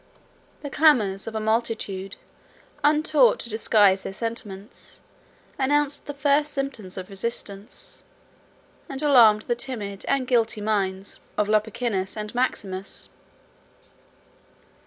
The clamors of a multitude, untaught to disguise their sentiments, announced the first symptoms of resistance, and alarmed the timid and guilty minds of Lupicinus and Maximus.